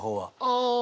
ああ。